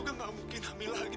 kamu memperkuasa anakku